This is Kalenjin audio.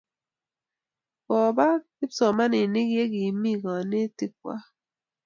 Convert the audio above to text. Kopa kipsomaninik yekimi kanetik kwag